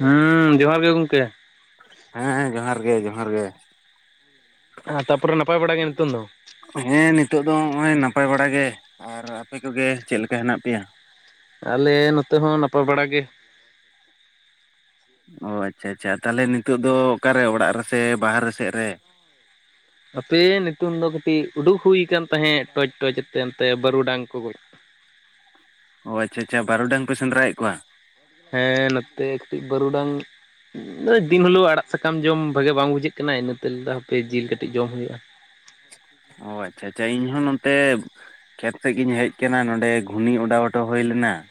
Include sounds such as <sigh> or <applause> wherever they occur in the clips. ᱦᱩᱸ ᱡᱚᱦᱟᱨ ᱜᱮ ᱜᱚᱝᱠᱮ᱾ ᱦᱮᱸ ᱦᱮᱸ ᱡᱚᱦᱟᱨ ᱜᱮ ᱡᱚᱦᱟᱨ ᱜᱮ᱾ ᱛᱟᱯᱚᱨᱮ ᱱᱟᱯᱟᱭ ᱵᱟᱲᱟ ᱜᱮ ᱱᱤᱛᱳᱝ ᱫᱚ᱾ ᱦᱮᱸ ᱱᱤᱛᱳᱜ ᱫᱚ ᱦᱚᱜ-ᱚᱭ ᱱᱟᱯᱟᱭ ᱵᱟᱲᱟ ᱜᱮ, ᱟᱨ ᱟᱯᱮ ᱠᱚᱜᱮ ᱪᱮᱫ ᱞᱮᱠᱟ ᱦᱮᱸᱱᱟᱜ ᱯᱮᱭᱟ? ᱟᱞᱮ ᱱᱚᱛᱮ ᱦᱚᱸ ᱱᱟᱯᱟᱭ ᱵᱟᱲᱟ ᱜᱮ᱾ ᱚ ᱟᱪᱪᱷᱟ ᱟᱪᱪᱷᱟ ᱛᱟᱞᱦᱮ ᱱᱤᱛᱳᱜ ᱫᱚ ᱚᱠᱟ ᱨᱮ ᱚᱲᱟᱜ ᱨᱮᱥᱮ ᱵᱟᱦᱨᱮ ᱥᱮᱫ ᱨᱮ? ᱦᱟᱯᱮ ᱱᱤᱛᱳᱝ ᱫᱚ ᱠᱟᱹᱴᱤᱡ ᱩᱰᱩᱠ ᱦᱩᱭ ᱠᱟᱱ ᱛᱟᱦᱮᱸᱫ ᱴᱚᱪ ᱴᱚᱪ ᱟᱛᱮᱜ ᱚᱱᱛᱮ ᱵᱟᱹᱨᱩᱰᱟᱝ ᱠᱚ ᱜᱚᱡ ᱾ ᱚ ᱟᱪᱪᱷᱟ ᱟᱪᱪᱷᱟ ᱵᱟᱨᱩᱰᱟᱝ ᱯᱮ ᱥᱮᱸᱫᱽᱨᱟ ᱭᱮᱜ ᱠᱚᱣᱟ? ᱦᱮᱸ ᱱᱚᱛᱮ ᱠᱟᱹᱴᱤᱡ ᱵᱟᱹᱨᱩᱰᱟᱝ ᱫᱤᱱ ᱦᱤᱞᱳᱜ ᱟᱲᱟᱜ ᱥᱟᱠᱟᱢ ᱡᱚᱢ ᱵᱷᱟᱜᱮ ᱵᱟᱝ ᱵᱩᱡᱷᱟᱹᱜ ᱠᱟᱱᱟ, ᱤᱱᱟᱹᱛᱮ ᱞᱮ ᱞᱟᱸᱭ ᱫᱟ ᱦᱟᱯᱮ ᱡᱤᱞ ᱠᱟᱹᱴᱤᱡ ᱡᱚᱢ ᱦᱳᱭᱳᱜᱼᱟ ᱾ ᱚ ᱟᱪᱪᱷᱟ ᱟᱪᱪᱷᱟ ᱤᱧᱦᱚᱸ ᱱᱚᱱᱛᱮ ᱠᱷᱮᱛ ᱥᱮᱡ ᱜᱤᱧ ᱦᱮᱡ ᱠᱟᱱᱟ, ᱱᱚᱸᱰᱮ ᱜᱷᱩᱱᱤ ᱚᱰᱟᱣ ᱦᱚᱴᱚ ᱦᱳᱭ ᱞᱮᱱᱟ ᱾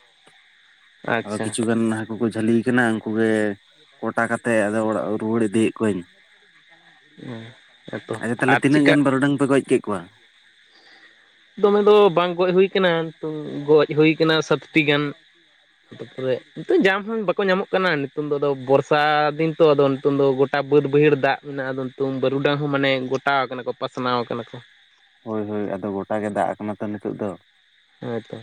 ᱟᱫᱚ ᱟᱪᱪᱷᱟ ᱠᱤᱪᱷᱩ ᱜᱟᱱ ᱦᱟ ᱠᱩ ᱠᱚ ᱡᱷᱟᱹᱞᱤᱭ ᱠᱟᱱᱟ ᱩᱝᱠᱩ ᱜᱮ ᱠᱚᱴᱟ ᱠᱟᱛᱮᱜ ᱟᱫᱚ ᱚᱲᱟᱜ ᱨᱩᱣᱟᱹᱲ ᱤᱫᱤᱭᱮᱜ ᱠᱩᱣᱟᱹᱧ ᱾ ᱦᱮᱸᱛᱚ ᱟᱪᱪᱷᱟ ᱛᱟᱞᱦᱮ ᱟᱨ ᱛᱤᱱᱟᱹᱜ ᱪᱮᱠᱟ ᱜᱟᱱ ᱵᱟᱨᱩᱰᱟᱝ ᱯᱮ ᱜᱚᱡ ᱠᱮᱫ ᱠᱚᱣᱟ? ᱫᱚᱢᱮ ᱫᱚ ᱵᱟᱝ ᱜᱚᱡ ᱦᱩᱭ ᱠᱟᱱᱟ, ᱛᱚ ᱜᱚᱡ ᱦᱩᱭ ᱠᱟᱱᱟ ᱥᱟᱛᱴᱤ ᱜᱟᱱ ᱾ ᱱᱤᱛᱚᱜ ᱧᱟᱢ ᱦᱚᱸ ᱵᱟᱠᱚ ᱧᱟᱢᱚᱜ ᱠᱟᱱᱟ, ᱱᱤᱛᱚᱝ ᱫᱚ ᱟᱫᱚ ᱵᱚᱨᱥᱟ ᱫᱤᱱ ᱛᱚ ᱟᱫᱚ ᱱᱤᱛᱚᱝ ᱫᱚ ᱜᱚᱴᱟ ᱵᱟᱹᱫᱽ ᱵᱟᱹᱭᱦᱟᱹᱲ ᱫᱟᱜ ᱦᱮᱱᱟᱜᱼᱟ ᱟᱫᱚ ᱱᱤᱛᱳᱝ ᱵᱟᱹᱨᱩᱰᱟᱝ ᱦᱚᱸ ᱢᱟᱱᱮ ᱜᱚᱴᱟ ᱟᱠᱟᱱᱟ ᱠᱚ ᱯᱟᱥᱱᱟᱣ ᱟᱠᱟᱱᱟ ᱠᱚ ᱾ ᱦᱳᱭ ᱦᱳᱭ ᱟᱫᱚ ᱜᱚᱴᱟ ᱜᱮ ᱫᱟᱜ ᱟᱠᱟᱱᱟ ᱛᱚ ᱱᱤᱛᱳᱜ ᱫᱚ ᱾ ᱦᱮᱸ ᱛᱚ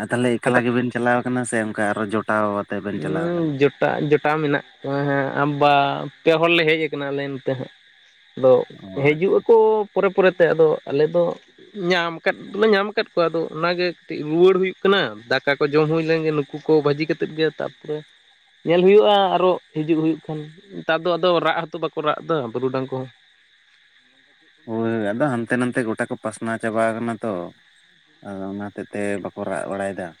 ᱟᱨ ᱛᱟᱞᱦᱮ ᱮᱠᱞᱟ ᱜᱮ ᱵᱮᱱ ᱪᱟᱞᱟᱣ ᱠᱟᱱᱟ, ᱥᱮ ᱚᱱᱠᱟ ᱟᱨᱚ ᱡᱚᱴᱟᱣ ᱟᱛᱮ ᱵᱮᱱ ᱪᱟᱞᱟᱣ ᱟᱠᱟᱱᱟ? ᱮᱴᱟᱜ ᱡᱚᱴᱟᱣ ᱢᱮᱱᱟᱜ ᱠᱚᱣᱟ ᱦᱟᱸᱜ ᱟᱢ ᱵᱟ ᱯᱮ ᱦᱚᱲ ᱞᱮ ᱦᱮᱡ ᱟᱠᱟᱱᱟ ᱟᱞᱮ ᱱᱚᱛᱮ ᱦᱟᱸᱜ ᱾ ᱟᱫᱚ ᱚ ᱦᱤᱡᱩᱜ ᱟᱪᱪᱷᱟ ᱟᱠᱚ ᱯᱚᱨᱮ ᱯᱚᱨᱮ ᱛᱮ ᱟᱫᱚ ᱟᱞᱮ ᱫᱚ ᱧᱟᱢ ᱟᱠᱟᱫ ᱫᱚᱞᱮ ᱧᱟᱢᱼᱼ ᱟᱠᱟᱫ ᱠᱚᱣᱟ ᱟᱫᱚ ᱚᱱᱟᱜᱮ ᱠᱟᱹᱴᱤᱡ ᱨᱩᱣᱟᱹᱲ ᱦᱩᱭᱩᱜ ᱠᱟᱱᱟ, ᱫᱟᱠᱟ ᱠᱚ ᱡᱚᱢ ᱦᱩᱭ ᱞᱮᱱᱜᱮ ᱱᱩᱠᱩ ᱠᱚ ᱵᱷᱟᱹᱡᱤ ᱠᱟᱛᱮᱫ ᱜᱮ ᱛᱟᱨ ᱯᱚᱨᱮᱼᱼ ᱧᱮᱞ ᱦᱩᱭᱩᱜᱼᱟ ᱟᱨᱚ ᱦᱤᱡᱩᱜ ᱦᱩᱭᱩᱜ ᱠᱷᱟᱱ, ᱱᱮᱛᱟᱨ ᱫᱚ ᱟᱫᱚ ᱨᱟᱜ ᱦᱚᱸᱛᱚ ᱵᱟᱠᱚ ᱨᱟᱜ ᱮᱫᱟ ᱵᱟᱹᱨᱩᱰᱟᱝ ᱠᱚᱦᱚᱸ ᱾ ᱦᱳᱭ ᱟᱫᱚ ᱦᱟᱱᱛᱮ ᱱᱟᱱᱛᱮ ᱜᱚᱴᱟ ᱠᱚ ᱯᱟᱥᱱᱟᱣ ᱪᱟᱵᱟ ᱠᱟᱱᱟ ᱛᱚ ᱾ ᱟᱫᱚ ᱚᱱᱟ ᱦᱚᱛᱮᱡ ᱛᱮ ᱵᱟᱠᱚ ᱨᱟᱜ ᱵᱟᱲᱟᱭᱮᱫᱟ ᱾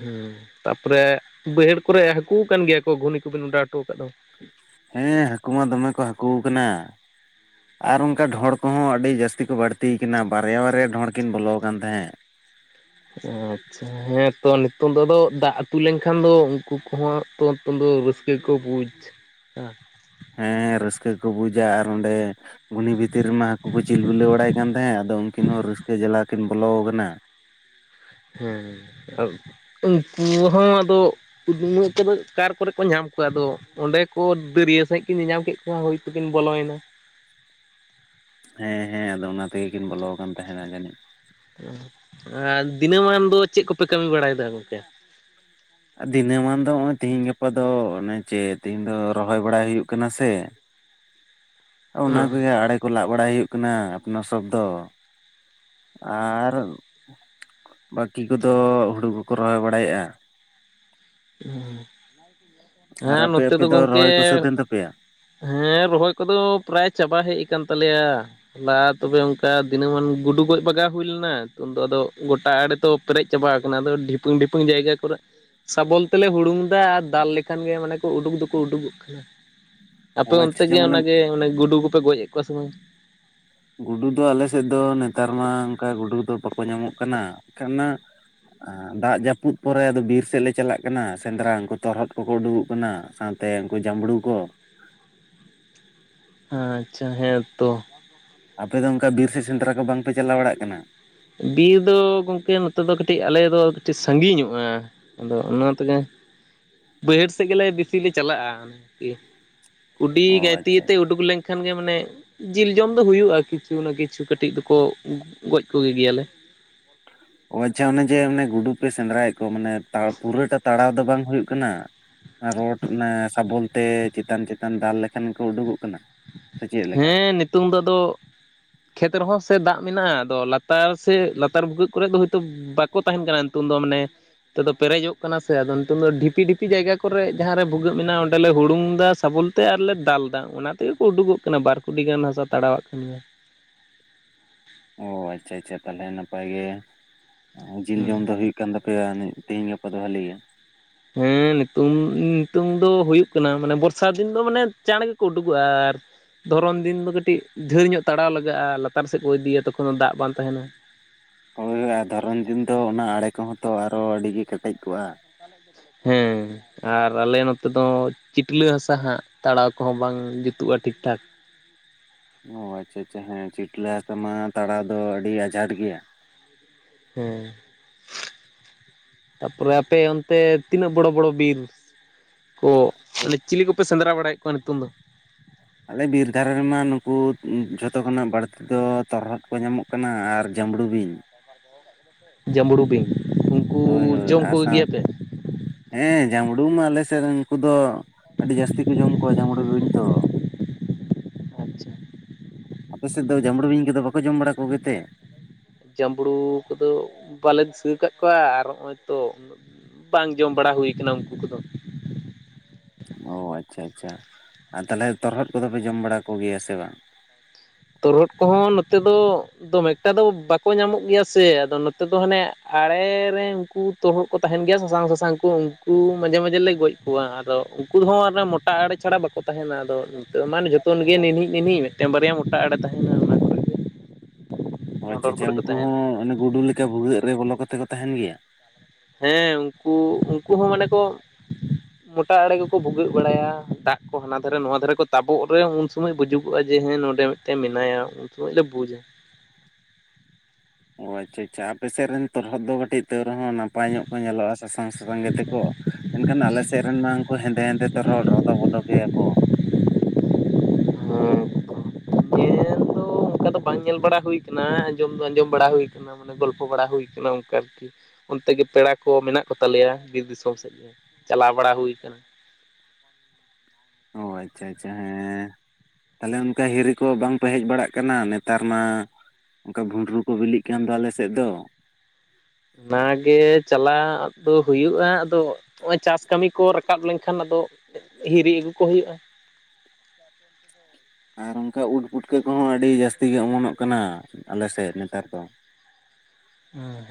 ᱦᱩᱸ ᱛᱟᱯᱚᱨᱮ ᱵᱟᱹᱭᱦᱟᱹᱲ ᱠᱚᱨᱮ ᱦᱟᱹᱠᱩ ᱟᱠᱟᱱ ᱜᱮᱭᱟ ᱠᱚ ᱜᱷᱩᱱᱤ ᱠᱚᱵᱤᱱ ᱚᱰᱟᱟᱣ ᱦᱚᱴᱚ ᱟᱠᱟᱫ ᱫᱚ? ᱦᱮᱸ ᱦᱟᱹᱠᱩ ᱢᱟ ᱫᱚᱢᱮ ᱠᱚ ᱦᱟᱹᱠᱩ ᱠᱟᱱᱟ ᱾ ᱟᱨ ᱚᱝᱠᱟ ᱰᱷᱚᱲ ᱠᱚᱦᱚᱸ ᱟᱹᱰᱤ ᱡᱟᱹᱥᱛᱤ ᱠᱚ ᱵᱟᱹᱲᱛᱤᱭ ᱠᱟᱱᱟ ᱵᱟᱨᱭᱟ ᱵᱟᱨᱭᱟ ᱰᱷᱚᱸᱲ ᱠᱤᱱ ᱵᱚᱞᱚ ᱟᱠᱟᱱ ᱛᱟᱦᱮᱸᱫ ᱾ ᱟᱪᱪᱷᱟ ᱦᱮᱸ ᱛᱚ ᱱᱤᱛᱚᱝ ᱫᱚ ᱟᱫᱚ ᱫᱟᱜ ᱟᱛᱩ ᱞᱮᱱᱠᱷᱟᱱ ᱫᱚ ᱩᱝᱠᱩ ᱠᱚᱦᱚᱸ ᱛᱚ ᱱᱤᱛᱚᱝ ᱫᱚ ᱨᱟᱹᱥᱠᱟᱹ ᱜᱮᱠᱚ ᱵᱩᱡᱽ ᱚ ᱦᱮᱸ ᱨᱟᱹᱥᱠᱟᱹ ᱜᱮ ᱠᱚ ᱵᱩᱡᱟ ᱟᱨ ᱚᱸᱰᱮᱼᱼ ᱜᱷᱩᱱᱤ ᱵᱷᱤᱛᱤᱨ ᱨᱮᱢᱟ ᱦᱟᱹᱠᱩ ᱠᱚ ᱪᱤᱞ ᱵᱤᱞᱟᱹᱣ ᱵᱟᱲᱟᱭ ᱠᱟᱱ ᱛᱟᱸᱦᱮᱫ, ᱟᱫᱚ ᱩᱱᱠᱤᱱ ᱦᱚᱸ ᱨᱟᱹᱥᱠᱟᱹ ᱡᱟᱞᱟ ᱠᱤᱱ ᱵᱚᱞᱚ ᱠᱟᱱᱟ ᱾ ᱦᱮᱸ ᱟᱨ ᱩᱱᱠᱩ ᱦᱚᱸ ᱟᱫᱚᱼᱼ ᱩᱫᱢᱟᱹ ᱛᱮ ᱫᱚ ᱚᱠᱟᱨ ᱠᱚᱨᱮ ᱠᱚ ᱧᱟᱢ ᱠᱚᱣᱟ ᱟᱫᱚ ᱚᱸᱰᱮ ᱠᱚ ᱫᱟᱹᱨᱭᱟᱹ ᱥᱟᱺᱦᱤᱡ ᱠᱤᱱ ᱧᱮᱧᱟᱢ ᱠᱮᱜ ᱠᱚᱣᱟ ᱦᱳᱭ ᱛᱚ ᱠᱤᱱ ᱵᱚᱞᱚᱭᱱᱟ ᱾ ᱦᱮᱸ ᱦᱮᱸ ᱟᱫᱚ ᱚᱱᱟ ᱛᱮᱜᱮ ᱠᱤᱱ ᱵᱚᱞᱚ ᱠᱟᱱ ᱛᱟᱸᱦᱮᱱᱟ ᱡᱟᱹᱱᱤᱡ ᱾ ᱟᱨ ᱫᱤᱱᱟᱹᱢᱟᱱ ᱫᱚ ᱪᱮᱜ ᱠᱚᱯᱮ ᱠᱟᱹᱢᱤ ᱵᱟᱲᱟᱭ ᱮᱫᱟ ᱜᱚᱝᱠᱮ? ᱫᱤᱱᱟᱹᱢᱟᱱ ᱫᱚ ᱱᱚᱜᱼᱚᱭ ᱛᱤᱦᱤᱧ ᱜᱟᱯᱟ ᱫᱚ ᱚᱱᱮ ᱪᱮᱫ ᱛᱤᱦᱤᱧ ᱫᱚ ᱨᱚᱦᱚᱭ ᱵᱟᱲᱟᱭ ᱦᱩᱭᱩᱜ ᱠᱟᱱᱟ ᱥᱮ ᱾ <inaudible> ᱚᱱᱟ ᱠᱚᱜᱮ ᱟᱲᱮ ᱠᱚ ᱞᱟᱜ ᱵᱟᱲᱟᱭ ᱦᱩᱭᱩᱜ ᱠᱟᱱᱟ ᱟᱯᱱᱟᱨ ᱥᱳᱵ ᱫᱚ ᱾ ᱟᱨ ᱵᱟᱠᱤ ᱠᱚ ᱫᱚ ᱦᱩᱲᱩ ᱠᱚᱠᱚ ᱨᱚᱦᱚᱭ ᱵᱟᱲᱟᱭᱮᱜᱼᱟ ᱾ ᱟᱨ ᱦᱮᱸ ᱟᱯᱮ ᱱᱚᱛᱮ ᱟᱯᱮ ᱫᱚ ᱜᱚᱝᱠᱮ ᱨᱚᱦᱚᱭ ᱠᱚ ᱥᱟᱹᱛ ᱮᱱ ᱛᱟᱯᱮᱭᱟ ᱦᱮᱸ ᱨᱚᱦᱚᱭ ᱠᱚᱫᱚ ᱯᱨᱟᱭ ᱪᱟᱵᱟ ᱦᱮᱡ ᱟᱠᱟᱱ ᱛᱟᱞᱮᱭᱟ ᱾ ᱦᱚᱞᱟ ᱛᱚᱵᱮ ᱚᱝᱠᱟ ᱫᱤᱱᱟᱹᱢᱟᱱ ᱜᱩᱰᱩ ᱜᱚᱡ ᱵᱟᱜᱟᱣ ᱦᱩᱭ ᱞᱮᱱᱟ, ᱱᱤᱛᱚᱝ ᱫᱚ ᱟᱫᱚ ᱜᱚᱴᱟ ᱟᱲᱮ ᱛᱚᱼᱼ ᱯᱮᱨᱮᱡ ᱪᱟᱵᱟ ᱟᱠᱟᱱᱟ ᱟᱫᱚ ᱰᱷᱤᱯᱟᱹᱝ ᱰᱷᱤᱯᱟᱹᱝ ᱡᱟᱭᱜᱟ ᱠᱚᱨᱮᱜ ᱥᱟᱵᱚᱞ ᱛᱮᱞᱮ ᱦᱩᱲᱩᱝ ᱮᱫᱟ ᱟᱨ ᱫᱟᱞ ᱞᱮᱠᱷᱟᱱ ᱜᱮ ᱢᱟᱱᱮ ᱩᱰᱩᱠ ᱫᱚᱠᱚ ᱩᱰᱩᱠᱚᱜ ᱠᱟᱱᱟ ᱾ ᱚ ᱟᱯᱮ ᱚᱱᱛᱮ ᱟᱪᱪᱷᱟ ᱟᱪᱪᱷᱟ ᱜᱮ ᱢᱟᱱᱮ ᱚᱱᱟᱜᱮ ᱚᱱᱮ ᱜᱩᱰᱩ ᱠᱚᱯᱮ ᱜᱚᱡᱮᱜ ᱠᱚᱣᱟ ᱥᱮ ᱵᱟᱝ? ᱜᱩᱰᱩ ᱫᱚ ᱟᱞᱮ ᱥᱮᱫ ᱫᱚ ᱱᱮᱛᱟᱨ ᱢᱟ ᱚᱱᱠᱟ ᱜᱩᱰᱩ ᱫᱚ ᱵᱟᱠᱚ ᱧᱟᱢᱚᱜ ᱠᱟᱱᱟ ᱾ ᱮᱱᱠᱷᱟᱱ ᱱᱟ ᱫᱟᱜ ᱡᱟᱹᱯᱩᱫ ᱯᱚᱨᱮ ᱟᱫᱚ ᱵᱤᱨ ᱥᱮᱫ ᱞᱮ ᱪᱟᱞᱟᱜ ᱠᱟᱱᱟ ᱥᱮᱸᱫᱽᱨᱟ, ᱩᱱᱠᱩ ᱛᱚᱨᱦᱚᱫ ᱠᱚᱠᱚ ᱩᱰᱩᱠᱚᱜ ᱠᱟᱱᱟ ᱾ ᱥᱟᱣ ᱛᱮ ᱩᱱᱠᱩ ᱡᱟᱢᱵᱽᱲᱩ ᱠᱚ ᱾ ᱟᱪᱪᱷᱟ ᱦᱮᱸᱛᱚ ᱾ ᱟᱯᱮ ᱫᱚ ᱚᱱᱠᱟ ᱵᱤᱨ ᱥᱮᱫ ᱥᱮᱸᱫᱽᱨᱟ ᱠᱚ ᱵᱟᱝᱯᱮ ᱪᱟᱞᱟᱣ ᱵᱟᱲᱟᱜ ᱠᱟᱱᱟ? ᱵᱤᱨ ᱫᱚ ᱜᱚᱝᱠᱮ ᱱᱚᱛᱮ ᱫᱚ ᱠᱟᱹᱴᱤᱡ ᱟᱞᱮ ᱫᱚ ᱠᱟᱹᱴᱤᱡ ᱥᱟᱺᱜᱤᱧᱚᱜᱼᱟ᱾ ᱟᱫᱚ ᱚᱱᱟ ᱛᱮᱜᱮ ᱵᱟᱹᱭᱦᱟᱹᱲ ᱥᱮᱫ ᱜᱮᱞᱮ ᱵᱮᱥᱤ ᱞᱮ ᱪᱟᱞᱟᱜᱼᱟ ᱟᱨᱠᱤ᱾ ᱠᱩᱰᱤ ᱚ ᱜᱟᱭᱛᱤ ᱟᱪᱪᱷᱟ ᱟᱛᱮ ᱩᱰᱩᱠ ᱞᱮᱝ ᱠᱷᱟᱱ ᱜᱮ ᱢᱟᱱᱮ ᱡᱤᱞ ᱡᱚᱢ ᱫᱚ ᱦᱩᱭᱩᱜᱼᱟ ᱠᱤᱪᱷᱩ ᱱᱟ ᱠᱤᱪᱷᱩ ᱠᱟᱹᱴᱤᱡ ᱫᱚᱠᱚ ᱜᱚᱡ ᱠᱚᱜᱮ ᱜᱮᱭᱟᱞᱮ᱾ ᱚ ᱟᱪᱷᱟ ᱚᱱᱮ ᱡᱮ ᱚᱱᱮ ᱜᱩᱰᱩ ᱯᱮ ᱥᱮᱸᱫᱽᱨᱟᱭᱮᱫ ᱠᱚᱣᱟ ᱢᱟᱱᱮ ᱯᱩᱨᱟᱹᱴᱟ ᱛᱟᱲᱟᱣ ᱫᱚ ᱵᱟᱝ ᱦᱩᱭᱩᱜ ᱠᱟᱱᱟ ᱨᱚᱰ ᱚᱱᱟ ᱥᱟᱵᱚᱞ ᱛᱮ ᱪᱮᱛᱟᱱ ᱪᱮᱛᱟᱱ ᱫᱟᱞ ᱞᱮᱠᱷᱟᱱ ᱜᱮ ᱠᱚ ᱩᱰᱩᱠᱚᱜ ᱠᱟᱱᱟ? ᱥᱮ ᱪᱮᱫ ᱞᱮᱠᱟ ᱦᱮᱸ ᱱᱤᱛᱚᱝ ᱫᱚ ᱟᱫᱚ ᱠᱷᱮᱛ ᱨᱮᱦᱚᱸ ᱥᱮ ᱫᱟᱜ ᱢᱮᱱᱟᱜᱼᱟ, ᱟᱫᱚ ᱞᱟᱛᱟᱨ ᱥᱮ ᱞᱟᱛᱟᱨ ᱵᱷᱩᱜᱟᱹᱜ ᱠᱚᱨᱮᱫ ᱫᱚ ᱦᱳᱭᱛᱚ ᱵᱟᱠᱚ ᱛᱟᱦᱮᱱ ᱠᱟᱱᱟ ᱱᱤᱛᱚᱝ ᱫᱚ ᱢᱟᱱᱮ ᱱᱤᱛᱚᱜ ᱫᱚ ᱯᱮᱨᱮᱡᱚᱜ ᱠᱟᱱᱟ ᱥᱮ, ᱟᱫᱚ ᱱᱤᱛᱚᱝ ᱫᱚ ᱰᱷᱤᱯᱤ ᱰᱷᱤᱯᱤ ᱡᱟᱭᱜᱟ ᱠᱚᱨᱮ ᱡᱟᱦᱟᱸ ᱨᱮ ᱵᱷᱩᱜᱟᱹᱜ ᱢᱮᱱᱟᱜ ᱟ ᱚᱸᱰᱮ ᱞᱮ ᱦᱩᱲᱩᱝᱫᱟ ᱥᱟᱵᱚᱞ ᱛᱮ ᱟᱨᱞᱮ ᱫᱟᱞ ᱫᱟ ᱚᱱᱟ ᱛᱮᱜᱮ ᱠᱚ ᱩᱰᱩᱠᱚᱜ ᱠᱟᱱᱟ ᱵᱟᱨ ᱠᱩᱰᱤ ᱜᱟᱱ ᱦᱟᱥᱟ ᱛᱟᱲᱟᱣᱟᱜ ᱠᱷᱟᱱ ᱜᱮ᱾ ᱚ ᱟᱪᱪᱷᱟ ᱟᱪᱪᱷᱟ ᱛᱟᱦᱚᱞᱮ ᱱᱟᱯᱟᱭ ᱜᱮ᱾ ᱡᱤᱞ ᱦᱩᱸ ᱡᱚᱢ ᱫᱚ ᱦᱳᱭᱳᱜ ᱠᱟᱱ ᱛᱟᱯᱮᱭᱟ ᱛᱮᱦᱤᱧ ᱜᱟᱯᱟ ᱫᱚ ᱵᱷᱟᱞᱤ ᱜᱮ᱾ ᱦᱩᱸ ᱱᱤᱛᱚᱝ, ᱱᱤᱛᱚᱝ ᱫᱚ ᱦᱩᱭᱩᱜ ᱠᱟᱱᱟ ᱢᱟᱱᱮ ᱵᱚᱨᱥᱟ ᱫᱤᱱ ᱫᱚ ᱢᱟᱱᱮ ᱪᱟᱬ ᱜᱮᱠᱚ ᱩᱰᱩᱠᱚᱜᱼᱟ ᱟᱨ ᱫᱷᱚᱨᱚᱱ ᱫᱤᱱ ᱫᱚ ᱠᱟᱹᱴᱤᱡ ᱫᱷᱮᱨ ᱧᱚᱜ ᱛᱟᱲᱟᱣ ᱞᱟᱜᱟᱜᱼᱟ, ᱞᱟᱛᱟᱨ ᱥᱮᱫ ᱠᱚ ᱤᱫᱤᱭᱟ ᱛᱚᱠᱷᱚᱱ ᱫᱚ ᱫᱟᱜ ᱵᱟᱝ ᱛᱟᱦᱮᱱᱟ᱾ ᱦᱳᱭ ᱟᱨ ᱫᱷᱚᱨᱚᱱ ᱫᱤᱱ ᱫᱚ ᱚᱱᱟ ᱟᱲᱮ ᱠᱚᱦᱚᱸ ᱛᱚ ᱟᱨᱚ ᱟᱹᱰᱤᱜᱮ ᱠᱮᱴᱮᱡ ᱠᱚᱜᱼᱟ᱾ ᱦᱮᱸ᱾ ᱟᱨ ᱟᱞᱮ ᱱᱚᱛᱮ ᱫᱚ ᱪᱤᱴᱞᱟᱹ ᱦᱟᱥᱟ ᱦᱟᱸᱜ ᱛᱟᱲᱟᱣ ᱠᱚᱦᱚᱸ ᱵᱟᱝ ᱡᱩᱛᱩᱜᱼᱟ ᱴᱷᱤᱠᱴᱷᱟᱠ᱾ ᱚ ᱟᱪᱪᱷᱟ ᱟᱪᱪᱷᱟ ᱦᱮᱸ ᱪᱤᱴᱞᱟ ᱦᱟᱥᱟ ᱢᱟ ᱛᱟᱲᱟᱣ ᱫᱚ ᱟᱹᱰᱤ ᱟᱡᱷᱟᱴ ᱜᱮᱭᱟ᱾ ᱦᱮᱸ᱾ ᱛᱟᱯᱚᱨᱮ ᱟᱯᱮ ᱚᱱᱛᱮ ᱛᱤᱱᱟᱹᱜ ᱵᱚᱲᱚ ᱵᱚᱲᱚ ᱵᱤᱨ ᱠᱚ ᱢᱟᱱᱮ ᱪᱤᱞᱤ ᱠᱚᱯᱮ ᱥᱮᱸᱫᱽᱨᱟ ᱵᱟᱲᱟᱭᱮᱫ ᱠᱚᱣᱟ ᱱᱤᱛᱚᱝ ᱫᱚ? ᱟᱞᱮ ᱵᱤᱨ ᱫᱷᱟᱨᱮ ᱨᱮᱢᱟ ᱱᱩᱠᱩ ᱡᱷᱚᱛᱚ ᱠᱷᱚᱱᱟᱜ ᱵᱟᱹᱲᱛᱤ ᱫᱚ ᱛᱚᱨᱦᱚᱫ ᱠᱚ ᱧᱟᱢᱚᱜ ᱠᱟᱱᱟ ᱟᱨ ᱡᱟᱸᱵᱽᱲᱩ ᱵᱤᱧ᱾ ᱡᱟᱢᱲᱩ ᱵᱤᱝ ᱦᱳᱭ ᱦᱳᱭ ᱟᱨ ᱥᱟᱣ, ᱦᱮᱸ ᱡᱟᱢᱲᱩ ᱢᱟ ᱟᱞᱮ ᱥᱮᱫ ᱨᱮᱱ ᱩᱱᱠᱩ ᱫᱚ ᱟᱹᱰᱤ ᱡᱟᱹᱥᱛᱤ ᱠᱚ ᱡᱚᱢ ᱠᱚᱣᱟ ᱡᱟᱸᱢᱲᱩ ᱵᱤᱧ ᱫᱚ᱾ ᱟᱪᱪᱷᱟ᱾ ᱟᱯᱮᱥᱮᱫ ᱫᱚ ᱡᱟᱢᱲᱩ ᱵᱤᱧ ᱠᱚᱫᱚ ᱵᱟᱠᱚ ᱡᱚᱢ ᱵᱟᱲᱟ ᱠᱚᱜᱮᱛᱮ? ᱡᱟᱢᱲᱩ ᱠᱚᱫᱚ ᱵᱟᱞᱮ ᱫᱤᱥᱟᱹ ᱟᱠᱟᱫ ᱠᱚᱣᱟ ᱟᱨ ᱦᱚᱜ ᱚᱭ ᱛᱚ ᱵᱟᱝ ᱡᱚᱢ ᱵᱟᱲᱟ ᱦᱩᱭ ᱠᱟᱱᱟ ᱩᱱᱠᱩ ᱠᱚᱫᱚ᱾ ᱚ ᱟᱪᱷᱟ ᱟᱪᱷᱟ, ᱟᱨ ᱛᱟᱦᱚᱞᱮ ᱛᱚᱨᱦᱚᱫ ᱠᱚᱫᱚ ᱯᱮ ᱡᱚᱢ ᱵᱟᱲᱟ ᱠᱚᱜᱮᱭᱟ ᱥᱮ ᱵᱟᱝ? ᱛᱚᱨᱦᱚᱫ ᱠᱚᱦᱚᱸ ᱱᱚᱛᱮ ᱫᱚ ᱫᱚᱢᱮ ᱮᱠᱴᱟ ᱫᱚ ᱵᱟᱠᱚ ᱧᱟᱢᱚᱜ ᱜᱮᱭᱟ ᱥᱮ ᱟᱫᱚ ᱱᱚᱛᱮ ᱫᱚ ᱦᱟᱱᱮ ᱟᱲᱮ ᱨᱮ ᱩᱱᱠᱩ ᱛᱚᱨᱦᱚᱫ ᱠᱚ ᱛᱟᱦᱮᱱ ᱜᱮᱭᱟ ᱥᱟᱥᱟᱝ ᱥᱟᱥᱟᱝ ᱠᱚ ᱩᱱᱠᱩ ᱢᱟᱡᱷᱮ ᱢᱟᱡᱷᱮ ᱞᱮ ᱜᱚᱡ ᱠᱚᱣᱟ ᱟᱫᱚ ᱩᱱᱠᱩ ᱦᱚ ᱢᱚᱴᱟ ᱟᱲᱮ ᱪᱷᱟᱲᱟ ᱵᱟᱠᱚ ᱛᱟᱦᱮᱱᱟ, ᱟᱫᱚ ᱱᱤᱛ ᱢᱟᱱᱮ ᱡᱚᱛᱚ ᱜᱮ ᱱᱤᱱᱦᱤ ᱱᱤᱱᱦᱤ ᱢᱤᱫᱴᱮᱱ ᱵᱟᱨᱭᱟ ᱢᱚᱴᱟ ᱟᱲᱮ ᱛᱟᱦᱮᱱᱟ ᱚᱱᱟ ᱠᱚᱨᱮ ᱚ ᱟᱪᱪᱷᱟ ᱰᱷᱚᱸᱰᱚᱨ ᱟᱪᱪᱷᱟ, ᱠᱚᱨᱮ ᱠᱚ ᱩᱱᱠᱩ ᱛᱟᱦᱮᱱᱟ ᱦᱚᱸ ᱚᱱᱮ ᱜᱩᱰᱩ ᱞᱮᱠᱟ ᱵᱷᱩᱜᱟᱹᱜ ᱨᱮ ᱵᱚᱞᱚ ᱠᱟᱛᱮ ᱠᱚ ᱛᱟᱦᱮᱱ ᱜᱮᱭᱟ? ᱦᱮᱸ ᱩᱱᱠᱩ, ᱩᱱᱠᱩ ᱦᱚ ᱢᱟᱱᱮ ᱠᱚ ᱢᱚᱴᱟ ᱟᱲᱮ ᱜᱮᱠᱚ ᱵᱷᱩᱜᱟᱹᱜ ᱵᱟᱲᱟᱭᱟ, ᱫᱟᱜ ᱠᱚ ᱦᱟᱱᱟ ᱫᱷᱟᱨᱮ ᱱᱚᱣᱟ ᱫᱷᱟᱨᱮ ᱠᱚ ᱛᱟᱵᱚᱜ ᱨᱮ ᱩᱱ ᱥᱚᱢᱚᱭ ᱵᱩᱡᱩᱜᱚᱜᱼᱟ ᱡᱮ ᱦᱮ ᱱᱚᱰᱮ ᱢᱤᱫᱴᱮᱱ ᱢᱮᱱᱟᱭᱟ ᱩᱱ ᱥᱚᱢᱚᱭ ᱞᱮ ᱵᱩᱡᱟ᱾ ᱚ ᱟᱪᱪᱷᱟ, ᱟᱪᱪᱷᱟ ᱟᱯᱮ ᱥᱮᱫ ᱨᱮᱱ ᱛᱚᱨᱦᱚᱫ ᱫᱚ ᱠᱟᱹᱴᱤᱡ ᱛᱟ. ᱣ ᱨᱮᱦᱚᱸ ᱱᱟᱯᱟᱭ ᱧᱚᱜ ᱠᱚ ᱧᱮᱞᱚᱜᱼᱟ ᱥᱟᱥᱟᱝ ᱥᱟᱥᱟᱝ ᱜᱮᱛᱮ ᱠᱚ᱾ ᱮᱱᱠᱷᱟᱱ ᱟᱞᱮ ᱥᱮᱫ ᱨᱮᱱ ᱢᱟ ᱩᱱᱠᱩ ᱦᱮᱸᱫᱮ ᱦᱮᱸᱫᱮ ᱛᱚᱨᱦᱚᱫ, ᱨᱚᱫᱚ ᱵᱚᱫᱚ ᱜᱮᱭᱟ ᱠᱚ᱾ ᱦᱩᱸ ᱦᱩᱸ, <unintelligible> ᱧᱮᱞ ᱫᱚ ᱚᱱᱠᱟ ᱫᱚ ᱵᱟᱝ ᱧᱮᱞ ᱵᱟᱲᱟ ᱦᱩᱭ ᱠᱟᱱᱟ᱾ ᱟᱸᱡᱚᱢ ᱫᱚ ᱟᱸᱡᱚᱢ ᱵᱟᱲᱟ ᱦᱩᱭ ᱠᱟᱱᱟ᱾ ᱢᱟᱱᱮ ᱜᱚᱞᱯᱚ ᱵᱟᱲᱟ ᱦᱩᱭ ᱠᱟᱱᱟ ᱚᱱᱠᱟ ᱟᱨᱠᱤ, ᱚᱱᱛᱮ ᱜᱮ ᱯᱮᱲᱟ ᱠᱚ ᱢᱮᱱᱟᱜ ᱠᱚ ᱛᱟᱞᱮᱭᱟ ᱵᱤᱨ ᱫᱤᱥᱚᱢ ᱥᱮᱫ ᱜᱮᱼᱼ ᱪᱟᱞᱟᱣ ᱵᱟᱲᱟ ᱦᱩᱭ ᱠᱟᱱᱟ᱾ ᱚ ᱟᱪᱪᱷᱟ, ᱟᱪᱪᱷᱟ ᱦᱮᱸᱼᱼ ᱛᱟᱞᱮᱦᱮ ᱚᱱᱠᱟ ᱦᱤᱨᱤ ᱠᱚ ᱵᱟᱝᱯᱮ ᱦᱮᱡ ᱵᱟᱲᱟᱜ ᱠᱟᱱᱟ ᱱᱮᱛᱟᱨ ᱢᱟᱼᱼ ᱚᱱᱠᱟ ᱵᱷᱩᱸᱰᱨᱩ ᱠᱚ ᱵᱤᱞᱤᱜ ᱠᱟᱱ ᱫᱚ ᱟᱞᱮ ᱥᱮᱫ ᱫᱚ᱾ ᱚᱱᱟᱜᱮ ᱪᱟᱞᱟᱜ ᱫᱚ ᱦᱩᱭᱩᱜᱼᱟ᱾ ᱟᱫᱚᱼᱼ ᱦᱚᱜᱼᱚᱭ ᱪᱟᱥ ᱠᱟᱹᱢᱤ ᱠᱚ ᱨᱟᱠᱟᱵ ᱞᱮᱱᱠᱷᱟᱱ ᱟᱫᱚ, ᱦᱤᱨᱤ ᱟᱹᱜᱩ ᱠᱚ ᱦᱩᱭᱩᱜᱼᱟ᱾ <unintelligible> ᱟᱨ ᱚᱱᱠᱟ ᱩᱴ ᱯᱩᱴᱠᱟᱹ ᱠᱚᱦᱚᱸ ᱟᱹᱰᱤ ᱡᱟᱹᱥᱛᱤ ᱜᱮ ᱚᱢᱚᱱᱚᱜ ᱠᱟᱱᱟ ᱟᱞᱮ ᱥᱮᱫ ᱱᱮᱛᱟᱨ ᱫᱚ᱾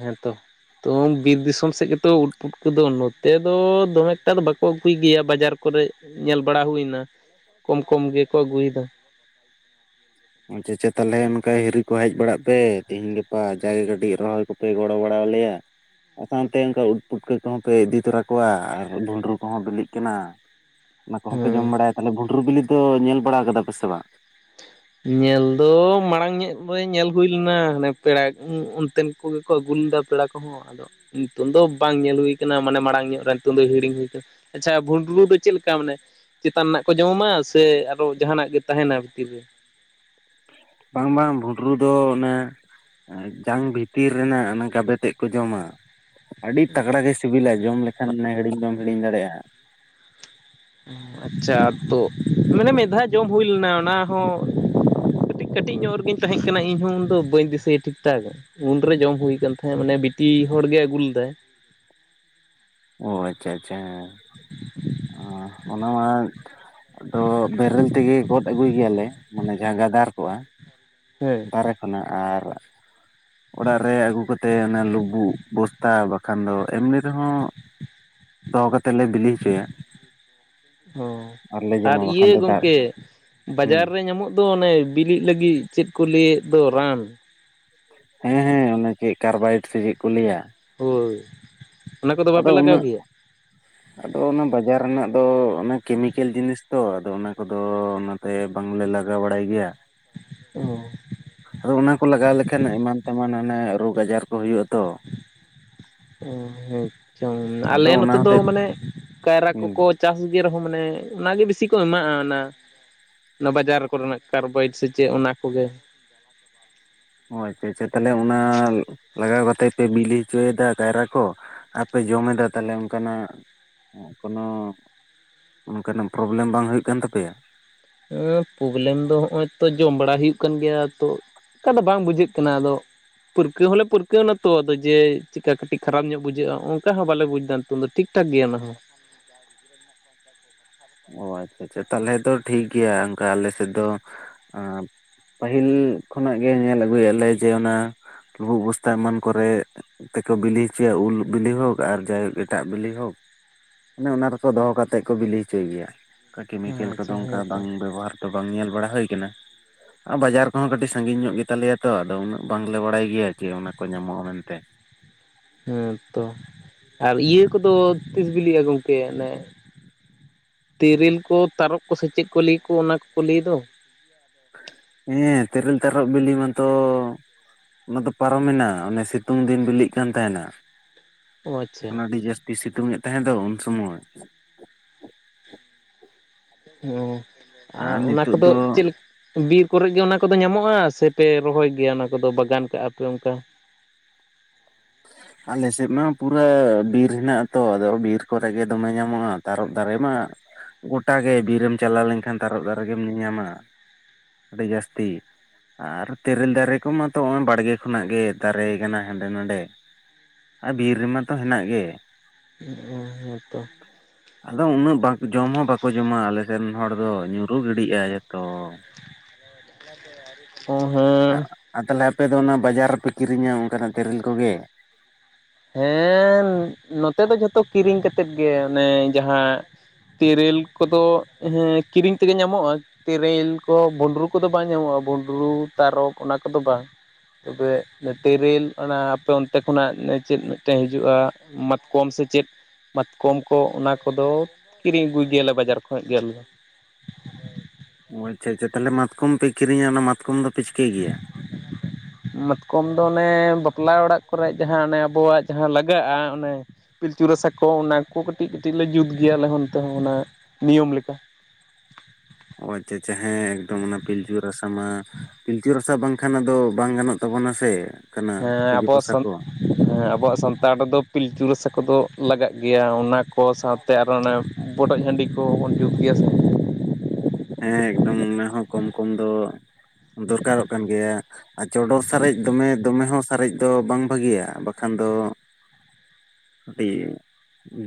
ᱦᱮᱸ ᱛᱚ᱾ ᱛᱚ ᱵᱤᱨ ᱫᱤᱥᱚᱢ ᱥᱮᱫ ᱜᱮᱛᱚ ᱩᱴ ᱯᱩᱴᱠᱟᱹ ᱫᱚ, ᱱᱚᱛᱮ ᱫᱚ ᱫᱚᱢᱮ ᱮᱠᱴᱟ ᱫᱚ ᱵᱟᱠᱚ ᱟᱹᱜᱩᱭ ᱜᱮᱭᱟ ᱵᱟᱡᱟᱨ ᱠᱚᱨᱮ᱾ ᱧᱮᱞ ᱵᱟᱲᱟ ᱦᱩᱭ ᱮᱱᱟ, ᱠᱚᱢ ᱠᱚᱢ ᱜᱮᱠᱚ ᱟᱹᱜᱩᱭᱮᱫᱟ᱾ ᱟᱪᱪᱷᱟ, ᱟᱪᱪᱷᱟ ᱛᱟᱦᱚᱞᱮ ᱚᱱᱠᱟ ᱦᱤᱨᱤ ᱠᱚ ᱦᱮᱡ ᱵᱟᱲᱟᱜ ᱯᱮ, ᱛᱤᱦᱤᱧ ᱜᱟᱯᱟ ᱡᱟ ᱜᱮ ᱠᱟᱹᱴᱤᱡ ᱨᱚᱦᱚᱭ ᱠᱚᱯᱮᱼᱼ ᱯᱮ ᱜᱚᱲᱚ ᱵᱟᱲᱟ ᱟᱞᱮᱭᱟ᱾ <unintelligible> ᱚᱱᱛᱮ ᱚᱱᱠᱟ ᱩᱫ ᱯᱩᱴᱠᱟᱹ ᱠᱚᱦᱚᱸ ᱯᱮ ᱤᱫᱤ ᱛᱚᱨᱟ ᱠᱚᱣᱟ, ᱟᱨ ᱵᱷᱩᱸᱰᱨᱩ ᱠᱚᱦᱚᱸ ᱵᱤᱞᱤᱜ ᱠᱟᱱᱟ᱾ <inaudible> ᱚᱱᱟ ᱠᱚ ᱦᱚᱸᱯᱮ ᱡᱚᱢ ᱦᱮᱸ ᱵᱟᱲᱟᱭᱟ᱾ ᱛᱟᱦᱮᱞᱮ ᱵᱷᱩᱸᱰᱨᱩ ᱵᱤᱞᱤ ᱫᱚ ᱧᱮᱞ ᱵᱟᱲᱟ ᱠᱟᱫᱟ ᱯᱮ ᱥᱮ ᱵᱟᱝ? ᱧᱮᱞ ᱫᱚ ᱢᱟᱲᱟᱝ ᱧᱚᱜᱼᱼ ᱦᱳᱭ ᱧᱮᱞ ᱦᱩᱭ ᱞᱮᱱᱟ, ᱦᱟᱱᱮ ᱯᱮᱲᱟ ᱚᱱᱛᱮᱱ ᱠᱚᱜᱮ ᱠᱚ ᱟᱹᱜᱩ ᱞᱮᱫᱟ ᱯᱮᱲᱟ ᱠᱚᱦᱚᱸᱼᱼ ᱱᱤᱛᱚᱝ ᱫᱚ ᱵᱟᱝ ᱧᱮᱞ ᱦᱩᱭ ᱠᱟᱱᱟ᱾ ᱢᱟᱱᱮ ᱢᱟᱲᱟᱝ ᱧᱚᱜ ᱨᱮ ᱱᱤᱛᱚᱝ ᱫᱚ ᱦᱤᱲᱤᱧ ᱦᱩᱭ ᱠᱟᱱᱟ᱾ ᱟᱪᱪᱷᱟ ᱵᱷᱩᱸᱰᱨᱩ ᱫᱚ ᱪᱮᱫ ᱞᱮᱠᱟᱼᱼ ᱪᱮᱫ ᱠᱟ ᱢᱟᱱᱮ, ᱪᱮᱛᱟᱱ ᱨᱮᱱᱟᱜ ᱠᱚ ᱡᱚᱢᱟ ᱥᱮ ᱟᱨᱚ ᱡᱟᱦᱟᱱᱟᱜ ᱜᱮ ᱛᱟᱦᱮᱱᱟ ᱵᱷᱤᱛᱤᱨ ᱨᱮ᱾ ᱵᱟᱝ, ᱵᱟᱝ ᱵᱷᱩᱸᱰᱨᱩ ᱫᱚ ᱚᱱᱮᱼᱼ ᱡᱟᱝ ᱵᱷᱤᱛᱤᱨ ᱨᱮᱱᱟᱜ ᱚᱱᱟ ᱜᱟᱵᱮ ᱛᱮᱫ ᱠᱚ ᱡᱚᱢᱟ᱾ ᱟᱹᱰᱤ ᱛᱟᱜᱽᱲᱟ ᱜᱮ ᱥᱤᱵᱤᱞᱟ, ᱡᱚᱢ ᱞᱮᱠᱷᱟᱱ ᱮᱢ ᱦᱤᱲᱤᱧ ᱵᱟᱢ ᱦᱤᱲᱤᱧ ᱫᱟᱲᱮᱭᱟᱜᱼᱟ᱾ ᱟᱪᱪᱷᱟ ᱛᱚ, ᱢᱟᱱᱮ ᱢᱤᱫ ᱫᱷᱟᱣ ᱡᱚᱢ ᱦᱩᱭ ᱞᱮᱱᱟ᱾ ᱚᱱᱟ ᱦᱚᱸᱼᱼ ᱠᱟᱹᱴᱤᱡ, ᱠᱟᱹᱴᱤᱡ ᱧᱚᱜ ᱨᱮᱜᱤᱧ ᱛᱟᱦᱮᱸ ᱠᱟᱱᱟ᱾ ᱤᱧᱦᱚᱸ ᱩᱱᱫᱚ ᱵᱟᱹᱧ ᱫᱤᱥᱟᱹᱭᱟ ᱴᱷᱤᱠᱴᱷᱟᱠ᱾ ᱩᱱᱨᱮ ᱡᱚᱢ ᱦᱩᱭ ᱠᱟᱱ ᱛᱟᱦᱮᱸᱜ, ᱢᱟᱱᱮ ᱵᱤᱴᱤ ᱦᱚᱲ ᱜᱮ ᱟᱹᱜᱩ ᱞᱮᱫᱟᱭ᱾ ᱚ ᱟᱪᱪᱷᱟ, ᱟᱪᱪᱷᱟ᱾ ᱚ ᱚᱱᱟ ᱢᱟᱼᱼ ᱟᱫᱚ ᱵᱮᱨᱮᱞ ᱛᱮᱜᱮ ᱜᱚᱫ ᱟᱹᱜᱩᱭ ᱜᱮᱭᱟᱞᱮ, ᱡᱟᱦᱟᱸ ᱜᱟᱫᱟᱨ ᱠᱚᱜᱼᱟ᱾ ᱦᱮᱸ ᱵᱟᱦᱮᱨᱮ ᱠᱷᱚᱱᱟᱜ, ᱟᱨ ᱚᱲᱟᱜ ᱨᱮ ᱟᱹᱜᱩ ᱠᱟᱛᱮ ᱚᱱᱟ ᱞᱩᱵᱩᱜ ᱵᱩᱥᱼᱼ ᱛᱟ ᱵᱟᱝᱠᱷᱟᱱ ᱫᱚ, ᱮᱢᱱᱤ ᱨᱮᱦᱚᱸ ᱫᱚᱦᱚ ᱠᱟᱛᱮᱫ ᱞᱮ ᱵᱤᱞᱤ ᱦᱚᱪᱚᱭᱟ᱾ ᱚ ᱟᱨᱞᱮ ᱟᱨ ᱡᱚᱢᱟ ᱵᱟᱠᱷᱟᱱ ᱤᱭᱟᱹ ᱫᱚ ᱫᱟᱜ ᱜᱚᱝᱠᱮ ᱦᱩᱸ ᱵᱟᱡᱟᱨ ᱨᱮ ᱧᱟᱢᱚᱜᱼᱼ ᱫᱚ, ᱚᱱᱮ ᱵᱤᱞᱤᱜ ᱞᱟᱹᱜᱤᱫ ᱪᱮᱫ ᱠᱚ ᱞᱟᱹᱭᱮᱫ ᱫᱚ ᱨᱟᱱ᱿ ᱦᱮᱸ, ᱦᱮᱸ ᱚᱱᱮ ᱪᱮᱫ ᱠᱟᱨᱵᱟᱭᱮᱰ ᱥᱮ ᱪᱮᱫ ᱠᱚ ᱞᱟᱹᱭᱟ᱾ ᱦᱳᱭ ᱚᱱᱟ ᱠᱚᱫᱚ ᱟᱫᱚ ᱵᱟᱯᱮ ᱞᱟᱜᱟᱣ ᱩᱱᱟᱹᱜᱼᱼ <inaudible> ᱟᱫᱚ ᱚᱱᱟ ᱵᱟᱡᱟᱨ ᱨᱮᱱᱟᱜ ᱫᱚ ᱚᱱᱟ ᱠᱮᱢᱤᱠᱮᱞ ᱡᱤᱱᱤᱥ ᱛᱚ, ᱟᱫᱚ ᱚᱱᱟ ᱠᱚ ᱫᱚᱼᱼ ᱛᱮ ᱵᱟᱝᱞᱮ ᱞᱟᱜᱟᱣ ᱵᱟᱲᱟᱭ ᱜᱮᱭᱟ᱾ ᱚ ᱟᱫᱚ ᱚᱱᱟ ᱠᱚ ᱞᱟᱜᱟᱣ ᱞᱮᱠᱷᱟᱱ ᱮᱢᱟᱱ ᱛᱮᱢᱟᱱ ᱢᱟᱱᱮ <unintelligible> ᱨᱳᱜᱽ ᱟᱡᱟᱨ ᱠᱚ ᱦᱩᱭᱩᱜᱼᱟ ᱛᱚ᱾ ᱦᱩᱸ ᱦᱩᱸ ᱟᱞᱮ ᱟᱫᱚ ᱚᱱᱟ ᱱᱚᱛᱮ ᱫᱚ ᱦᱚᱛᱮᱫ ᱢᱟᱱᱮ ᱠᱟᱭᱨᱟ ᱦᱩᱸ ᱠᱚᱠᱚ, ᱪᱟᱥ ᱜᱮ ᱨᱮᱦᱚᱸ ᱢᱟᱱᱮ ᱚᱱᱟᱜᱮ ᱵᱤᱥᱤ ᱠᱚ ᱮᱢᱟᱜᱼᱟ ᱚᱱᱟ, ᱚᱱᱟ ᱵᱟᱡᱟᱨ ᱠᱚᱨᱮᱱᱟᱜ ᱠᱟᱨᱵᱟᱭᱮᱰ ᱥᱮ ᱪᱮᱫ ᱚᱱᱟ ᱠᱚᱜᱮ᱾ ᱚ ᱟᱪᱪᱷᱟ ᱟᱪᱪᱷᱟ ᱛᱟᱦᱚᱞᱮ ᱚᱱᱟ ᱞᱟᱜᱟᱣ ᱠᱟᱛᱮᱫ ᱯᱮ ᱵᱤᱞᱤ ᱦᱚᱪᱚᱭᱮᱫᱟ ᱠᱟᱭᱨᱟ ᱠᱚ᱾ ᱟᱨᱯᱮ ᱡᱚᱢ ᱮᱫᱟ ᱛᱟᱦᱞᱮ ᱚᱱᱠᱟᱱᱟᱜ ᱠᱳᱱᱳ, ᱚᱱᱠᱟᱱᱟᱜ ᱯᱨᱚᱵᱞᱮᱢ ᱵᱟᱝ ᱦᱩᱭᱩᱜ ᱠᱟᱱ ᱛᱟᱯᱮᱭᱟ᱾ ᱦᱮᱸ ᱯᱨᱚᱵᱞᱮᱢ ᱫᱚ ᱱᱚᱜᱼᱚᱭ ᱛᱚ ᱡᱚᱢ ᱵᱟᱲᱟ ᱦᱩᱭᱩᱜ ᱠᱟᱱ ᱜᱮᱭᱟ ᱛᱚ᱾ ᱚᱱᱠᱟ ᱫᱚ ᱵᱟᱝ ᱵᱩᱡᱷᱟᱹᱜ ᱠᱟᱱᱟ ᱟᱫᱚ᱾ ᱯᱟᱹᱨᱠᱟᱹᱣ ᱦᱚᱸᱞᱮ ᱯᱟᱹᱨᱠᱟᱹᱣᱱᱟ ᱛᱚ ᱟᱫᱚ ᱡᱮ ᱪᱮᱠᱟ ᱠᱟᱹᱴᱤᱡ ᱠᱷᱟᱨᱟᱯ ᱧᱚᱜ ᱵᱩᱡᱷᱟᱹᱜᱼᱟ ᱚᱱᱠᱟ ᱦᱚᱸ ᱵᱟᱞᱮᱵᱩᱡᱽᱫᱟ, ᱱᱤᱛᱚᱜ ᱫᱚ ᱴᱷᱤᱠ ᱴᱷᱟᱠ ᱜᱮᱭᱟ ᱚᱱᱟ ᱦᱚᱸ ᱚ ᱟᱪᱪᱷᱟ ᱟᱪᱪᱷᱟ ᱛᱟᱦᱞᱮ ᱫᱚ ᱴᱷᱤᱠ ᱜᱮᱭᱟ ᱚᱱᱠᱟ ᱟᱞᱮ ᱥᱮᱫ ᱫᱚ ᱟᱸ, ᱯᱟᱹᱦᱤᱞ ᱠᱷᱚᱱᱟᱜ ᱜᱮ ᱧᱮᱞ ᱟᱹᱜᱩᱭᱮᱫ ᱞᱮ ᱡᱮ ᱚᱱᱟ ᱞᱩᱵᱩᱜ ᱵᱚᱥᱛᱟ ᱮᱢᱟᱱ ᱠᱚᱨᱮ ᱛᱮᱠᱚ ᱵᱤᱞᱤ ᱦᱚᱪᱚᱭᱟ ᱩᱞ ᱵᱤᱞᱤ ᱦᱳᱠ ᱟᱨ ᱡᱟᱭᱦᱳᱠ ᱮᱴᱟᱜ ᱵᱤᱞᱤ ᱦᱳᱠ᱾ ᱚᱱᱮ ᱚᱱᱟ ᱨᱮᱠᱚ ᱫᱚᱦᱚ ᱠᱟᱛᱮᱫ ᱠᱚ ᱵᱤᱞᱤ ᱦᱚᱪᱚᱭ ᱜᱮᱭᱟ ᱠᱮᱢᱤᱠᱮᱞ ᱠᱚᱫᱚ ᱟᱪᱪᱷᱟ ᱚᱱᱠᱟ ᱦᱮᱸ ᱛᱚ ᱵᱟᱝ ᱵᱮᱵᱚᱦᱟᱨ ᱛᱚ ᱵᱟᱝ ᱧᱮᱞ ᱵᱟᱲᱟ ᱦᱩᱭ ᱠᱟᱱᱟ᱾ ᱟᱨ ᱵᱟᱡᱟᱨ ᱠᱚᱦᱚᱸ ᱠᱟᱹᱴᱤᱡ ᱥᱟᱺᱜᱤᱧ ᱧᱚᱜ ᱜᱮᱛᱟᱞᱮᱭᱟ ᱛᱚ ᱟᱫᱚ ᱩᱱᱟᱹᱜ ᱵᱟᱝᱞᱮ ᱵᱟᱲᱟᱭ ᱜᱮᱭᱟ ᱡᱮ ᱚᱱᱟ ᱠᱚ ᱧᱟᱢᱚᱜᱼᱟ ᱢᱮᱱᱛᱮ᱾ ᱦᱮᱸ ᱛᱚ᱾ ᱟᱨ ᱤᱭᱟᱹ ᱠᱚᱫᱚ ᱛᱤᱥ ᱵᱤᱞᱤᱜᱼᱟ ᱜᱚᱝᱠᱮ ᱚᱱᱮ ᱛᱮᱨᱤᱞ ᱠᱚ ᱛᱟᱨᱚᱯ ᱠᱚᱥᱮ ᱪᱮᱫ ᱠᱚ ᱞᱟᱹᱭ ᱠᱚ ᱚᱱᱟ ᱠᱚᱠᱚ ᱞᱟᱹᱭ ᱫᱚ᱾ ᱦᱮᱸ ᱛᱮᱨᱤᱞ ᱛᱟᱨᱚᱯ ᱵᱤᱞᱤ ᱢᱟᱛᱚ ᱚᱱᱟ ᱫᱚ ᱯᱟᱨᱚᱢᱮᱱᱟ ᱚᱱᱮ ᱥᱤᱛᱩᱝ ᱫᱤᱱ ᱵᱤᱞᱤᱜ ᱠᱟᱱ ᱛᱟᱦᱮᱱᱟ᱾ ᱚ ᱟᱪᱪᱷᱟ ᱚᱱᱮ ᱟᱹᱰᱤ ᱡᱟᱹᱥᱛᱤ ᱥᱤᱛᱩᱝ ᱮᱫ ᱛᱟᱦᱮᱸ ᱫᱚ ᱩᱱ ᱥᱩᱢᱚᱭ᱾ ᱚ, ᱟ ᱟᱨ ᱚᱱᱟ ᱱᱤᱛᱚᱜ ᱠᱚᱫᱚ ᱫᱚ ᱪᱮᱫᱞᱮᱼᱼ ᱵᱤᱨ ᱠᱚᱨᱮ ᱜᱮ ᱚᱱᱟ ᱠᱚᱫᱚ ᱧᱟᱢᱚᱜᱼᱟ ᱥᱮᱯᱮ ᱨᱚᱦᱚᱭ ᱜᱮᱭᱟ ᱚᱱᱟ ᱠᱚᱫᱚ ᱵᱟᱜᱟᱱ ᱠᱟᱜᱼᱟ ᱯᱮ ᱚᱝᱠᱟ? <inaudible> ᱟᱞᱮ ᱥᱮᱫ ᱢᱟ ᱯᱩᱨᱟᱹ ᱵᱤᱨ ᱦᱮᱱᱟᱜ ᱟᱛᱚ ᱟᱫᱚ ᱵᱤᱨ ᱠᱚᱨᱮ ᱜᱮ ᱫᱚᱢᱮ ᱧᱟᱢᱚᱜᱼᱟ ᱛᱟᱨᱚᱯ ᱫᱟᱨᱮ ᱢᱟ᱾ ᱜᱚᱴᱟ ᱜᱮ ᱵᱤᱨᱮᱢ ᱪᱟᱞᱟᱣ ᱞᱮᱱᱠᱷᱟᱱ ᱛᱟᱨᱚᱯ ᱫᱟᱨᱮ ᱜᱮᱢ ᱧᱮᱧᱟᱢᱟ ᱟᱹᱰᱤ ᱡᱟᱹᱥᱛᱤ᱾ ᱟᱨ ᱛᱮᱨᱮᱞ ᱫᱟᱨᱮ ᱠᱚᱢᱟ ᱛᱚ ᱱᱚᱜᱼᱚᱭ ᱵᱟᱲᱜᱮ ᱠᱷᱚᱱᱟᱜ ᱜᱮ ᱫᱟᱨᱮᱭ ᱠᱟᱱᱟ ᱦᱟᱸᱰᱮ ᱱᱟᱰᱮ᱾ ᱟᱨ ᱵᱤᱨ ᱨᱮᱢᱟ ᱛᱚ ᱦᱮᱱᱟᱜ ᱜᱮ᱾ ᱦᱮᱸ ᱦᱮᱸ ᱛᱚ᱾ ᱟᱫᱚ ᱩᱱᱟᱹᱜ ᱵᱟᱠ ᱡᱚᱢ ᱦᱚᱸ ᱵᱟᱠᱚ ᱡᱚᱢᱟ ᱟᱞᱮ ᱥᱮᱱ ᱦᱚᱲ ᱫᱚ ᱧᱩᱨᱩ ᱜᱤᱰᱤᱜᱼᱟ ᱡᱚᱛᱚ᱾ ᱚ ᱦᱮᱸ᱾ ᱟᱨ ᱟ ᱛᱟᱦᱚᱞᱮ ᱟᱯᱮ ᱫᱚ ᱚᱱᱟ ᱵᱟᱡᱟᱨ ᱨᱮᱯᱮ ᱠᱤᱨᱤᱧᱟ ᱚᱱᱠᱟᱱᱟᱜ ᱛᱮᱨᱮᱞ ᱠᱚᱜᱮ᱾ ᱦᱮᱸ᱾ ᱱᱚᱛᱮ ᱫᱚ ᱡᱷᱚᱛᱚ ᱠᱤᱨᱤᱧ ᱠᱟᱛᱮᱫ ᱜᱮ ᱚᱱᱮ ᱡᱟᱦᱟᱸ ᱛᱮᱨᱮᱞ ᱠᱚᱫᱚ ᱦᱮᱸ ᱠᱤᱨᱤᱧ ᱛᱮᱜᱮ ᱧᱟᱢᱚᱜᱼᱟ᱾ ᱛᱮᱨᱮᱞ ᱠᱚ ᱵᱩᱸᱰᱨᱩ ᱠᱚᱫᱚ ᱵᱟᱝ ᱧᱟᱢᱚᱜᱼᱟ ᱵᱩᱸᱰᱨᱩ ᱛᱟᱨᱚᱯ ᱚᱱᱟ ᱠᱚᱫᱚ ᱵᱟᱝ᱾ ᱛᱚᱵᱮ ᱛᱮᱨᱮᱞ ᱚᱱᱟ ᱟᱯᱮ ᱚᱱᱛᱮ ᱠᱷᱚᱱᱟᱜ ᱪᱮᱫ ᱢᱤᱫᱴᱮᱱ ᱦᱤᱡᱩᱜᱼᱟ ᱢᱟᱛ ᱠᱚᱢ ᱥᱮ ᱪᱮᱫ ᱢᱟᱪᱠᱚᱢ ᱠᱚ ᱚᱱᱟ ᱠᱚᱫᱚ ᱠᱤᱨᱤᱧ ᱟᱹᱜᱩᱭ ᱜᱮᱭᱟᱞᱮ ᱵᱟᱡᱟᱨ ᱠᱷᱚᱡ ᱜᱮ ᱟᱞᱮ ᱫᱚ᱾ ᱚ ᱟᱪᱪᱷᱟ ᱟᱪᱪᱷᱟ ᱛᱷᱟᱞᱮ ᱢᱟᱛᱠᱚᱢ ᱯᱮ ᱠᱤᱨᱤᱧᱟ ᱚᱱᱟ ᱢᱟᱛᱠᱚᱢ ᱫᱚᱯᱮ ᱪᱤᱠᱟᱹᱭ ᱜᱮᱭᱟ? <inaudible> ᱢᱟᱛᱠᱚᱢ ᱫᱚ ᱚᱱᱮ ᱵᱟᱯᱞᱟ ᱚᱲᱟᱜ ᱠᱚᱨᱮ ᱡᱟᱦᱟᱸ ᱚᱱᱮ ᱟᱵᱚᱣᱟᱜ ᱡᱟᱦᱟᱸ ᱞᱟᱜᱟᱜᱼᱟ ᱚᱱᱮ ᱯᱤᱞᱪᱩ ᱨᱟᱥᱟ ᱠᱚ ᱚᱱᱟ ᱠᱚ ᱠᱟᱹᱴᱤᱡ ᱠᱟᱹᱴᱤᱡ ᱞᱮ ᱡᱩᱛ ᱜᱮᱭᱟ ᱟᱞᱮ ᱦᱚᱸ ᱱᱚᱛᱮ ᱦᱚᱸ ᱚᱱᱟ ᱱᱤᱭᱚᱢ ᱞᱮᱠᱟ᱾ ᱚ ᱟᱪᱪᱷᱟ ᱟᱪᱪᱷᱟ ᱦᱮᱸ ᱮᱠᱫᱚᱢ ᱚᱱᱟ ᱯᱤᱞᱪᱩ ᱨᱟᱥᱟ ᱢᱟ ᱯᱤᱞᱪᱩ ᱨᱟᱥᱟ ᱵᱟᱝᱠᱷᱟᱱ ᱟᱫᱚ ᱵᱟᱝ ᱜᱟᱱᱚᱜ ᱛᱟᱵᱚᱱᱟ ᱥᱮ ᱚᱱᱠᱟᱱᱟᱜ ᱦᱮᱸ ᱯᱩᱡᱟᱹ ᱟᱵᱚ ᱯᱟᱥᱟ ᱥᱟᱱ ᱠᱚ ᱦᱮᱸ ᱟᱵᱚᱣᱟᱜ ᱥᱟᱱᱛᱟᱲ ᱨᱮᱫᱚ ᱯᱤᱞᱪᱩ ᱨᱟᱥᱟ ᱠᱚᱫᱚ ᱞᱟᱜᱟᱜ ᱜᱮᱭᱟ ᱚᱱᱟ ᱠᱚ ᱥᱟᱶ ᱛᱮ ᱟᱨᱚ ᱚᱱᱮ ᱵᱚᱰᱚᱡ ᱦᱟᱺᱰᱤ ᱠᱚ ᱵᱚᱱ ᱡᱩᱛ ᱜᱮᱭᱟ ᱥᱮ᱾ ᱦᱮᱸ ᱮᱠᱫᱚᱢ ᱚᱱᱟ ᱦᱚᱸ ᱠᱚᱢ ᱠᱚᱢ ᱫᱚ ᱫᱚᱨᱠᱟᱨᱚᱜ ᱠᱟᱱ ᱜᱮᱭᱟ᱾ ᱟᱨ ᱪᱚᱰᱚᱨ ᱥᱟᱨᱮᱡ ᱫᱚᱢᱮ ᱫᱚᱢᱮ ᱦᱚᱸ ᱥᱟᱨᱮᱡ ᱫᱚ ᱵᱟᱝ ᱵᱷᱟᱹᱜᱤᱭᱟ ᱵᱟᱠᱷᱟᱱ ᱫᱚ ᱠᱟᱹᱴᱤᱡ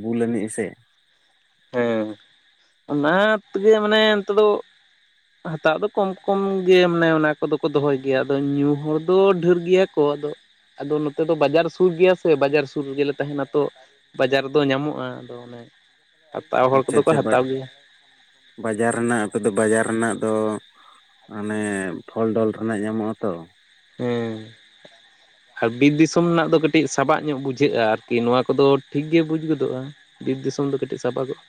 ᱵᱩᱞ ᱟᱹᱱᱤᱡ-ᱟ ᱥᱮ᱾ ᱦᱮᱸ ᱚᱱᱟ ᱛᱮᱜᱤ ᱢᱟᱱᱮ ᱱᱚᱛᱮ ᱫᱚ ᱦᱟᱛᱟᱜ ᱫᱚ ᱠᱚᱢ ᱠᱚᱢ ᱜᱮ ᱢᱟᱱᱮ ᱚᱱᱟ ᱠᱚᱫᱚ ᱠᱚ ᱫᱚᱦᱚᱭ ᱜᱮᱭᱟ ᱟᱫᱚ ᱧᱩ ᱦᱚᱲ ᱫᱚ ᱰᱷᱮᱨ ᱜᱮᱭᱟ ᱛᱚ ᱟᱫᱚ ᱟᱫᱚ ᱱᱚᱛᱮ ᱫᱚ ᱵᱟᱡᱟᱨ ᱥᱩᱨ ᱜᱮᱭᱟ ᱥᱮ ᱵᱟᱡᱟᱨ ᱥᱩᱨ ᱨᱮᱜᱮᱞᱮ ᱛᱟᱦᱮᱱᱟ ᱛᱚ ᱵᱟᱡᱟᱨ ᱨᱮᱫᱚ ᱧᱟᱢᱚᱜᱼᱟ ᱟᱫᱚ ᱚᱱᱮ ᱦᱟᱛᱟᱣ ᱦᱚᱲ ᱟᱪᱪᱷᱟ ᱠᱚᱫᱚ ᱠᱚ ᱟᱪᱪᱷᱟ ᱵᱟ, ᱦᱟᱛᱟᱣ ᱜᱮᱭᱟ ᱵᱟᱡᱟᱨ ᱨᱮᱱᱟᱜ ᱟᱯᱮ ᱫᱚ ᱵᱟᱡᱟᱨ ᱨᱮᱱᱟᱜ ᱫᱚ ᱟᱱᱮ ᱯᱷᱚᱞ ᱰᱚᱞ ᱨᱮᱱᱟᱜ ᱧᱟᱢᱚᱜᱼᱟ ᱛᱚ᱾ ᱦᱮᱸ᱾ ᱟᱨ ᱵᱤᱨ ᱫᱤᱥᱟᱹᱢ ᱨᱮᱱᱟᱜ ᱫᱚ ᱠᱟᱹᱴᱤᱡ ᱥᱟᱵᱟᱜ ᱧᱚᱜ ᱵᱩᱡᱷᱟᱹᱜ-ᱟ ᱟᱨᱠᱤ ᱱᱚᱣᱟ ᱠᱚᱫᱚ ᱴᱷᱤᱠ ᱜᱮ ᱵᱩᱡᱽ ᱜᱚᱫᱚᱜᱼᱟ ᱾ ᱵᱤᱨ ᱫᱤᱥᱚᱢ ᱫᱚ ᱠᱟᱹᱴᱤᱡ ᱥᱟᱵᱟᱜᱚᱜᱼᱟ ᱾